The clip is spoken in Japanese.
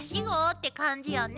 って感じよね。